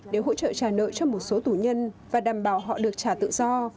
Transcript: để hỗ trợ trả nợ cho một số tù nhân và đảm bảo họ được trả tự do